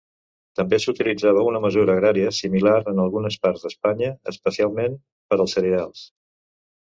També s'utilitzava una mesura agrària similar en algunes parts d'Espanya, especialment per als cereals.